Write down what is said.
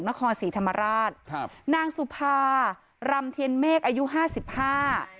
นครศรีธรรมราชครับนางสุภารำเทียนเมฆอายุห้าสิบห้า